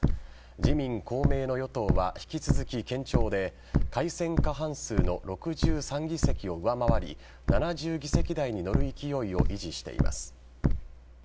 自民・公明の与党は引き続き堅調で改選過半数の６３議席を上回り７０議席台に乗る勢いを維持しています。